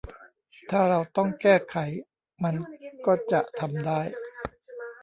ถ้าเราต้องแก้ไขมันก็จะทำได้